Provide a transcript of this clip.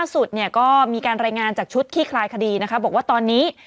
สุดเนี่ยก็มีการรายงานจากชุดขี้คลายคดีนะคะบอกว่าตอนนี้